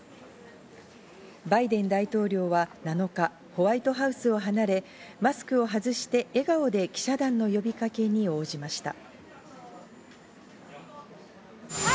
バイデン大統領は７日、ホワイトハウスを離れ、マスクを外して笑顔で記者団の呼びかけに応じました。